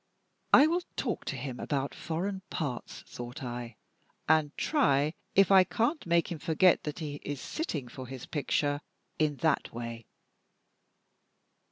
"I will talk to him about foreign parts," thought I, "and try if I can't make him forget that he is sitting for his picture in that way."